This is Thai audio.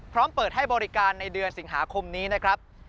เปิดให้บริการในเดือนสิงหาคมนี้นะครับ